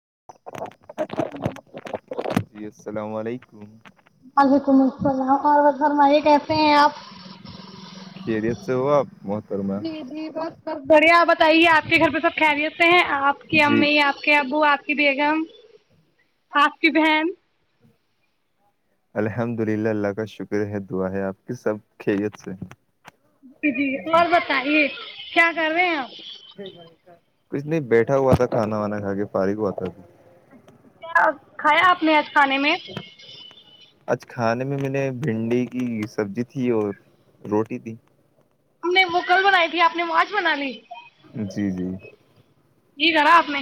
[inaudible] ہاں [inaudible] جی السلام علیکم وعلیکم السلام اور فرمائیے کیسے ہیں آپ خیریت سے ہو آپ محترمہ جی جی بس سب بڑھیا بتائیے آپ کے گھر پہ سب خریت سے ہیں آپ کی جی امی آپ کے ابو آپ آپ کی بیگم آپ کی بہن الحمد للہ اللہ کا شکر ہے دعا ہے آپ کی سب خت سے جی جی اور بتائیے کیا کر رہے ہیں آپ کچھ نہیں بیٹھا ہوا تھا کانا وانا کھا کے فاریک ہوا تھا کھایا آپ نے آج کھانے میں آج کھانے میں میں نے بھنڈی کی سبزی تھی اور روٹی تھی ہم نے مکل بنائی تھی آپ نے معچ بنا لی جی جی یہ گارا آپ میں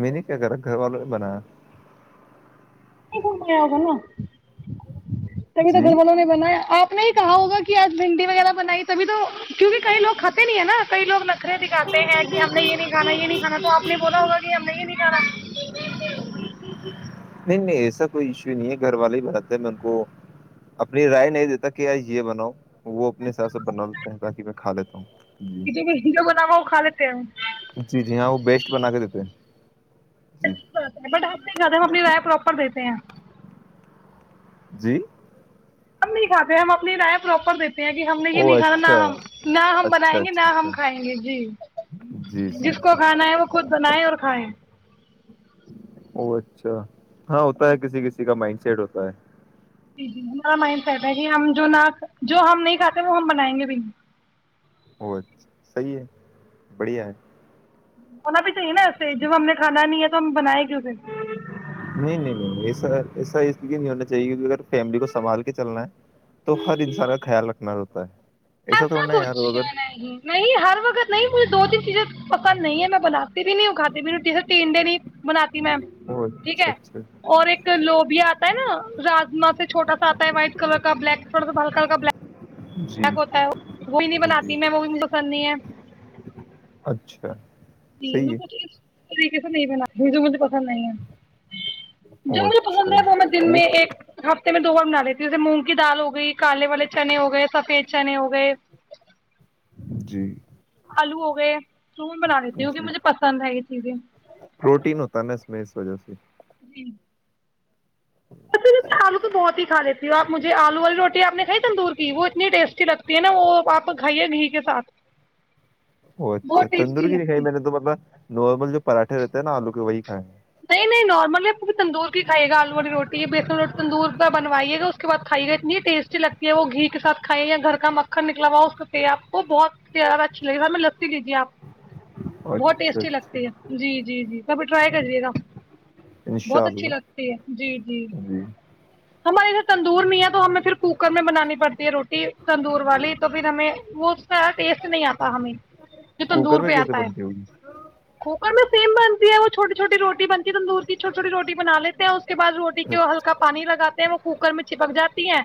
میں نے کیا کرا گھر والوں نے بنایا ایک سم ہوگ تبھی تو جی گھر والوں نے بنایا آپ نے ہی کہا ہوگا کہ آج بھنڈی وغیرہ بنائی تبھی تو کیوںکہ کئی لوگ کھے نہیں ہے نا کئی لوگ نخرے دکھاتے ہیں کہ ہم نے یہ نہیں کھانا یہ نہیں کھا تو آپ نے بولا ہوگا کہ ہم نے یہ نہیں کھانا نہیں نہیں ایسا کوئی ایشو نہیں ہے گھر والے ہی بناتے ہیں میں ان کو اپنی رائے نہیں دیتا کہ آج یہ بناؤ وہ اپنے حساب سے بنا لیتے ہیں تاکہ میں کھا لیتا ہوں جی جو بنا ہوا وہ کھا لیتے ہیں جی جی ہاں وہ بیسٹ بنا کے دیتے ہیں جی چ ب آنی گدم اپنی رائے پراپر دیتی [unintelligible] پں [unintelligible] جی [unintelligible] ہم نہیں کاتے ہم اپنی رائےیں پراپر دیتے [unintelligible] ہم نے یہ او نہیں کھانا نہ اچھا ہم نہ ہم اچھا بنائیں گے نہ اچھا اچھا ہم کھائیں گے جی جی جی جس کو کھانا ہے وہ خود بنیں اور کھائیں [unintelligible] او اچھا [unintelligible] ہاں ہوتا ہے کسی کسی کا مائنڈ [unintelligible] چیٹ ہوتا ہے [unintelligible] جی جی ہمارا مائنڈ سیٹ ہے کہ ہم جو ن جو ہم نہیں کھاتے وہ ہم بنائیں گے بھی [unintelligible] وہچا صحی ہے بڑھیا ہے [unintelligible] ان پ [unintelligible] نا ایسے جب ہم نے کھا نہیں ہے [unintelligible] م بنائے گ [unintelligible] نہیں نہیں نہیں ایسا اس لیے نہیں ہونا چاہیے کیکہ اگر فیملی کو سنبھ کے چلنا ہے تو ہر انسان کا خیال رکھنا ہوتا ہے ایسا تھوڑنا ہے یار کچھ وہ اگر نہیں نہیں ہر وقت نہیں مجھے دو تین چیزیں نہیں ہے میں بنااتی بھی نہیں وہ کاادی میری روٹی ر ٹی انڈے نہیں بناات میم او ٹھیک اچھا ہے اچھا اور ایک لوبیا آتا تا ہے ناما سےھوٹا ساتا ہے وائٹ کلر کا بلیک تھوڑا سا بال کلر کا بلیک جی کیا ہوتا ہے وہی نہیں جی بناتی میں وہ بھی م پسند نہیں ہے اچھا جی صحیح میں ہے پت طریق سے نہیں بنا جو مجھے پ نہیں او ج مجھے اچھا پسند ہے تو میں دن وہ میں ایک ہفتے میں دو بنا لیتی جیسے مونگ کی دال ہو گئی کالے والے چنے ہو گئے سفید چنے ہو گئے جی آلو ہو گئے تو بنا دیتی ہ کیکہ جی مجھے پسند ہے یہ چیزیں پروٹین ہوتا ہے نا اس میں اس وجہ سے جی ا آلو تو بہت ہی کھ لیتی ہوںپجھے آلو والی روٹی آپ نے کائی تندور کی وہ اتنی ٹیسٹی لگ تی ہے نا وہ آپ کھائیے گھی کے ساتھ ا اچھا بہت ٹیسٹی تندوری کی نہیں لگتی کھائی ہے میں نے تو مطلب نارمل جو پراٹے رہتے ہیں نا آلو کے وہی کھائیں ہیں نہیں نہیں نارملی پور تندور کی کھے گا آلو والی روٹی بیسن رو تندور کا بنوائیے گا اس کے بعد کھائیےا اتنی ٹیسٹی لگتی ہے وہ گھی کے ساتھائیے گ گھر کا مکھن نکلا ہوا اسے آ کو وہ بہت زیاہ اچھی لگےیا ہم میں لسی لیجیے آپ بہت اچھا ٹیسٹی اچھا لگتی ہے جی جی جی ابھی رائی کریےا انشاء بہت اچھی اللہ لگتی ہے جی جی ہمارے یہھر تندور میں ہے تو ہمیں پھر کوکر میں بنانی پڑتی ہے روٹی تندور والی تو پھر ہمیں وہ ٹیسٹ نہیں آتا ہمیں جو کوکر تندور میں پہ کیسے آتا ہے بنتی ہوگی کھوپر میں سم بن ہے وہ چھوٹی چھوٹی روٹی بنتی تندور کی چھوٹی چھوٹی روٹی بنا لیتے ہیں اس کے بد روٹی کے اچھا، ہلکا پانی لگے ہیں وہ کوکر میں چپک جاتی ہے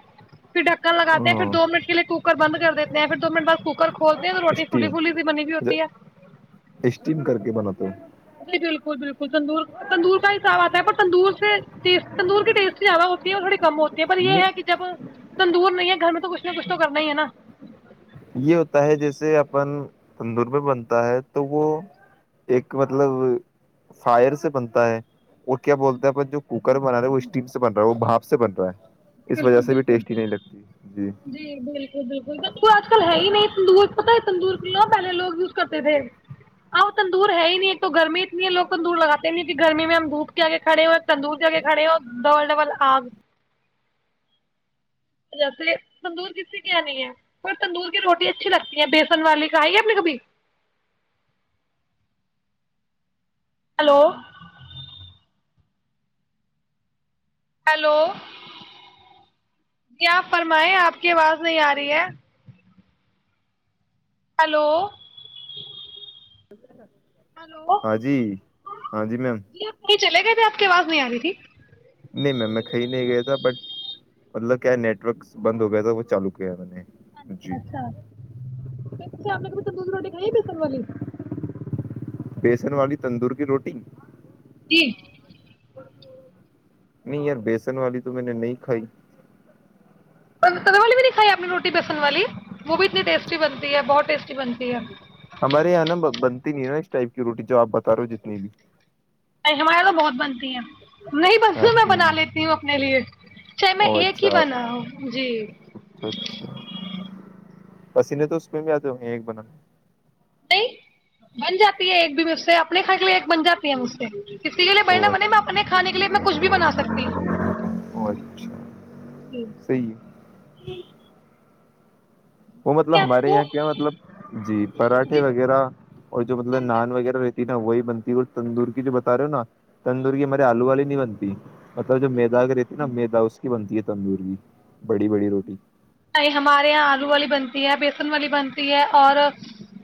پھر ڈکن لگاتے ہیں پھر ہاں دو منٹ کے لیے کوکر بند کر دیتے ہیں پھر دو منٹ بد کوکر کھول نہیں تو روٹی کھلی اسٹیم کلی کی بنی بھی ہوتی ہے اسٹیم کر کے بنا تو ک تندور تندور کا حساب آتا ہے پر تندور سےٹی تندور کی ٹیسٹ زیادہ ہوتی ہے اور تھوڑی کم ہوتی ہے پر یہ ہے کہ جب تندور نہیں ہے گھر میں تو کچھ نہ کچھ تو کرنا ہی ہے نا یہ ہوتا ہے جیسے اپن تندور میں بنتا ہے تو وہ ایک مطلب فائر سے بنتا ہے اور کیا بولتا ہے اپن جو کوکر بنا رہا وہ اسٹیم سے بن رہا ہے وہ باپ سے بن رہا ہے اس وجہ بالکل سے بھی بالکل ٹیسٹی نہیں لگتی جی بالکل بالکل سب کو آج کل ہے ہی نہیں تندور پت تندور ک لو پہے لوگ یوز کرتے تھے اب تندور ہے ہی نہیں ایک تو گرمی اتنی ہے لو تندور لگاتے نہیں کہ گرمی میں ہم دودھ کے آگے کھڑے ہو تندور کے آگے کھڑے ہو ڈبل ڈبل آگ جیسے تندور کسی کینی ہے پر تندور کی روٹی اچھی لگتی ہیں بیسن والی کھائی ہے اپ نے کبھی ہلو ہیلو کیا آپ فرمائیں آپ کی آواز نہیں آ رہی ہے ہلو ہلو ہاں جی ہاں میم جی آ کہ چلے گئے بھی آپ کی آواز نہیں آ رہی تھی نہیں میم میں کہی نہیں گیا تھا بٹ مطلب کیا نیٹ ورکس بند ہو گیا تھا وہ چالو کیا ہے میں نے اچھ جی اچھا پ آ [unintelligible] دوز روٹی کائیے تھ سل والی [unintelligible] بیسن والی تندور کی روٹی جی نہیں یار بیسن والی تو میں نے نہیں کھائی د والی بھی نہیں کھائی اپنی روٹی پسند والی وہ بھی اتنی ٹیسٹی بنتی ہے بہت ٹیسٹی بنتی ہے ہمارے یہاں نا بنتی نہیں ہے نا اس ٹائپ کی روٹی جو آپ بتا رہے ہو جتنی بھی ہماراریے تو بہت بنتی ہیں نہیں بس آپ میں کے یہاں بنا لیتی ہوں اپنے لیے چاہے میں او ایک ہی اچھا بنا ہوں جی اچھا اچھا پسینے تو اس پہ بھی آتے ہو ہیں ایک بنانا نہیں بن جاتی ہے ایک بھی اس سے اپنے کھ کے لیے ایک بن جاتی ہے مجھ سے کسی کے لیے او بنا بنے میں اپنے کھانے کے لیے میں کچھ بھی بنا سکتی او ہوں اچھا جی جی [unintelligible] وہ مطلب آپ ہمارے کو یہاں کیا مطلب جی پراٹھے وغیرہ اور جو مطلب کم نان بنتے ہیں وغیرہ رہتی ہے نا وہی بن تندور کی جو بتا رہے ہو نا تندورگی م آلو واللی نہیں بنتی مطلب جو سمپل میدا رہتی نا بنتی میدا اس کی بنتی ہے تندور کیی نہیں ہمارے یہاں آلو والی بندتی ہے بیسن والی بنتی ہے اور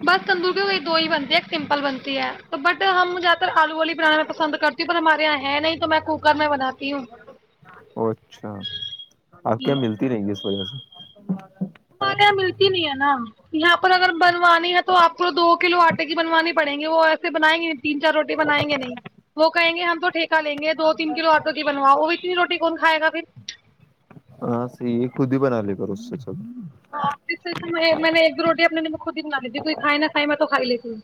بس تندوری بھی وہی دو ہی بنتی ہے ایک سمپل بنتی ہے تو بٹ ہم جاتے آلو والی بنانا پسند کرتیوں ہمارے یہاں ہے نہیں تو میں کوکر میں بناتی ہوں ا اچھا آپ کے جی ملتی رہیں گی اس پس ہم یہاں ملتی نہیں ہے نا یہاں پر اگر بنوانی ہے تو آپ کو دو کلو آٹے کی بنوانی پڑیں گے وہ ایسے بنیں گے نہیں تین چار روٹی بنائیں گے نہیں وہ کہیں گے ہم تو ٹھیک ا لیں گے دو تین کلو آٹو کی بنو وہ بھیتنی روٹی کون کھائے گا پھر ہاں س یہ خود ہی بن آلی گ رو اس سے سب میں نے ایک دو روٹی اپنے خود ہی بنا لی تھی کوئی کھائے نہا کھائے میں تو کھ لیتی ہوں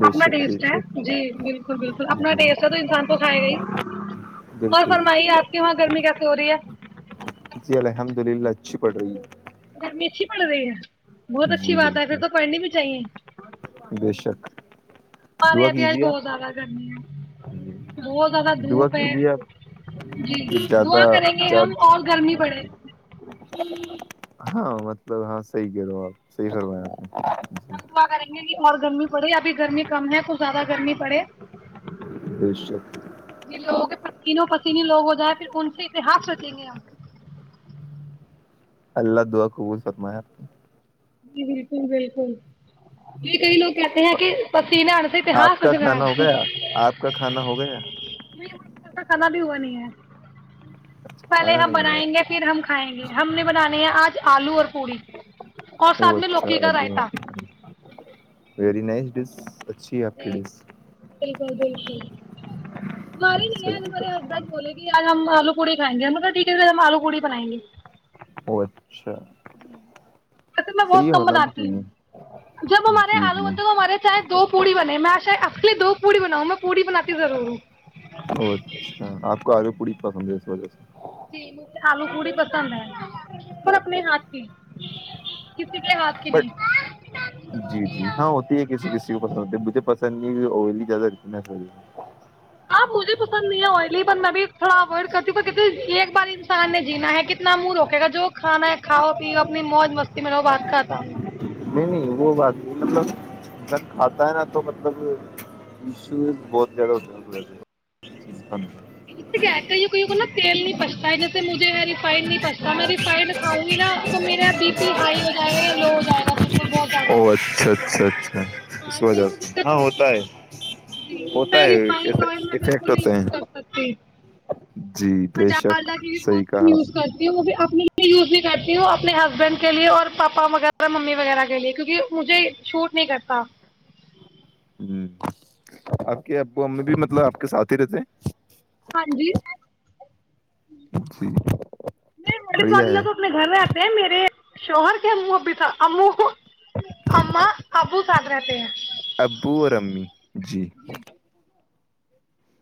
بے اپنا شک بے ٹیسٹ شک ہے جی بالکل بالکل اپنا ٹیسٹ ہے تو انسان کو کھائے گ ہی اور بالکل فرمائیے آپ کے وہاں گرمی کیس ہو رہی ہے اچھ پڑ رہی ہے رمی اتھی پڑ رہی ہیں بہت اچھی جی بات ہے پھر بالکل تو پڑھنی بھی چاہیے بے شک آ رہے دعا ابھی آج کیجیے بہت زیادہ گرمی آپ ہے بہت زیادہ دعا دھوپ ہے کیجیے آپ جی کہ زیادہ دعا کریں گے ہم زیادہ اور گرمی پڑے ہاں مطلب ہاں صحیح کہہ رہو آپ صحیح کروائیں ہم دعا کریں گے کہ اور گرمی پڑے ابھی گرمی کم ہے کچھ زیادہ گرمی پڑے یہ لوگوں کے ا پسینوں پسینے لوگ ہو جائ پھر ان سے اتہاس رچیں گے ہم اللہ دعا خب فرمایا جی بالکل بالکل یہ کئی لوگ کہتے ہیں کہ پسی نان سے آپ اتہاس ک کا ن کھانا ہو گیا آپ کا کھانا ہو گیا نہیں ایسا کانا بھی ہوا نہیں ہے اچھا پہلے کھانا ہم نہیں ہوا بنائیں گے پھر ہم کھائیں گے ہم نے بنانے ہیں آج آلو اور پوڑی اور وہ ساتھ میں اچھا لوکی کا رائتا ویری نائس ج اچھی ہے آپ کے لیے بالکل بالکل مارے نہیں ہے صحیح مارے ہسبینڈ بولے گی ہم آلو پوڑیھائیں گے ہمطلب ڈٹی سے ہم آلو پڑ بنائیں گے وہ اچھا ج اچھا میں بہت صحیح کم ہونا بھی بناتی چاہیے ہوں جب ہمارے جی آلو جی بنتے تو ہمارے چاہے دو پوڑی بنے میں شید آپ کے لیے دو پوڑی بناؤں میں پوڑ بنی ضرور ا اچھا آپ کو آلو پڑی پسند اس وجہ سے جی مجھے آلو پوڑی پسند ہے اور اپنے ہاتھ کی ک بٹ جی جی ہاں ہوتی ہے کسی کسی کو پسند ہوتی مجھے پسند [inaudible] آب مجھے پسند نہیں ہے آئلی پر میں بھی تھوڑا اوڈ کرتی ہ ایک بار انسان نے جینا ہے کتنا منہ روکے گا جو کانا ہے کھاؤ پیو اپنی موج مستی میں بات کھاتا ہوں نہیں نہیں وہ بات نہیں مطلب جب کھاتا ہے نا تو مطلبشو بہت زیادہ ا کوئی کو نا تیل نہیں پچتا ہے جیسے مجھ ری پائنی پستا میں ریفائڈ کاؤں گی نا تو میرا بی پی ہائی ہو جائےا یا لو کیا گا ب [inaudible] او اچھا اچھا اچھا ہاں اس کئی وجہ کو سے دقت ہاں ہوتا ہوتی ہے جی تو ہوتا میں ہے افیکٹ ہوتا ہے جیھ مزہ کی صحیح بہت کم کہا یوز کرتی ہے وہ بھی اپنی یوز بھی کرتی ہوں اپنے ہسبینڈ کے لیے اور پاپا وغیرہ ممی وغیرہ کے لیے کیونکہ مجھے شوٹ نہیں کرتا ا [unintelligible] کہ ابو امی بھی مطلبپ کے س ترز [unintelligible] ہاں جی جی نہیں مڑے پ بڑھیا ہے میں تو اپنے گھر میں آتے ہیں میرے شوہر کے مہ ا بھی تھا ا کو ااں ابو سات رہتے ہیں ابو اور امی جی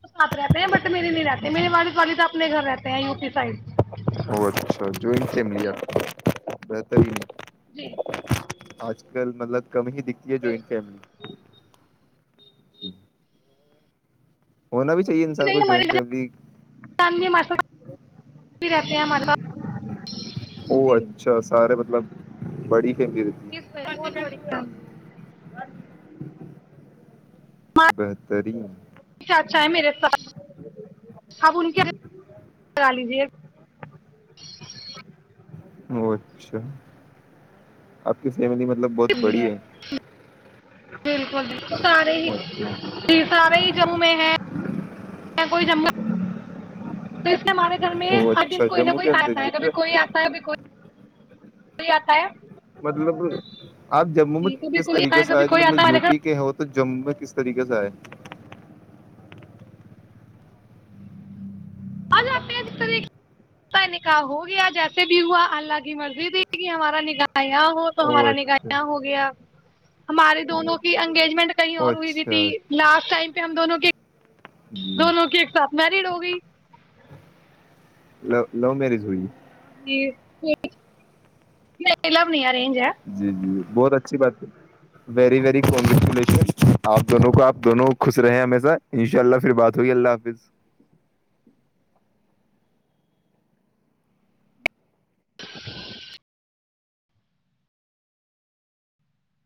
ساتھ رہتے ہیں بٹ میرے نہیں رہتے میرے والد والد اپنے گھر رہتے ہیں یو پی سائڈ او ج بہتری ہی ہے جی آج کل مطلب کم ہی دکھتی ہے جوائنٹ بالکل فیملی [inaudible] ہونا بھی چاہیے انسار کو نہیں ہمارے جوائنٹ فیملی جان بھی ہمارے ساتھ بھی رہتے ہیں ہمارے ساتھ ا جی اچھا سارے مطلب بڑی فیملی رہتی اس ہے وج بہت بڑی فم ہے بہترین چاچا ہے میرے سھ آپ ان کے کرا لیجیے ا اچھا آپ کس مطلب بہت بڑی ہے بالکل بالکل ج سارے ہی جی سارے ہی جموں میں ہے کوئی جم ا ہمارے گھر میں او ہر دن اچھا کوئی نہ جموں کوئی کے اندر آتا ہی ہے کبھی کوئی آتا ہے ک کوئی کوئی آتا ہے مطلب آپ جموں میں جی کبھی کس کوئی آتا طریقے ہے سے کبھی آئےج کوئی آتا مطلب ہے یو ہمارے پی گھر کے ہو تو جم میں کس طریقے سے آئے آج آ ط نکاح ہو گیا جیسے بھی ہوا اللہ کی مرضی ت کہ ہمارا نکاح یہاں ہو تو او ہمارا نگاح اچھا یہاں ہو گیا ہماریے دونوں کی انگیجمنٹ کہیں او اور ہوئی بھی تھی اچھا لاسٹ ٹائم پہ ہم دونوں کے جی دونوں کے ایک ساتھ مریڈ ہو گئی ل لو میرج ہوئی جی کو م لبنی آ رینج ہے جی جی بہت اچھی بات ہے ویری وی آپ دونوں کو آپ دونوں خوش رہے ہیں ہمیشہ انشاء اللہ پھر بات ہوئی اللہ حافظ